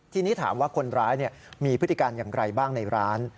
ทีนี้ถามว่าคนร้ายมีพฤติการอย่างไรบ้างในร้าน